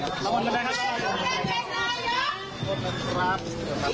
อย่าก็ควรหรือไม่ถึงจากตัวแหล่งความสนุนก็คือเวลาที่ควรจะเป็นคราวสุดท้าย